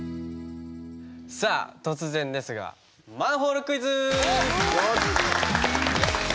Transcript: さあ突然ですがマンホールクイズー！